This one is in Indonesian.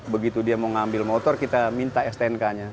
begitu dia mau ngambil motor kita minta stnk nya